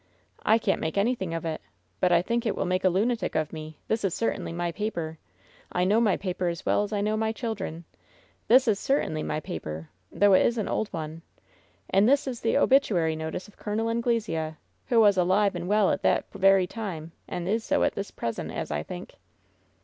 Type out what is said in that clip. "I can't make anything of it. But I think it will make a lunatic of me ! This is certainly my paper ! I know my paper as well as I know my children. This is certainly my paper — though it is an old one — and this is the obituary notice of Col. Anglesea, who was alive and well at that very time, and is so at this present, as I think."